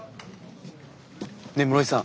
ねえ室井さん。